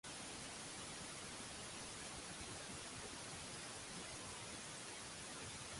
Teams did not enter the Nacional by finishing at the top ranks of Metropolitano.